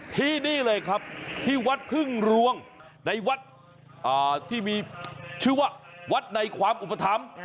ที่นี่เลยครับที่วัดพึ่งรวงในวัดที่มีชื่อว่าวัดในความอุปถัมภ์